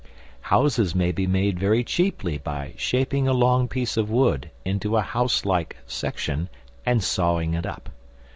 Houses may be made very cheaply by shaping a long piece of wood into a house like section and sawing it up.